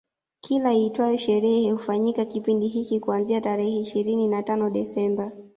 Kila inayoitwa sherehe hufanyika kipindi hiki kuanzia tarehe ishirini na tano Desemba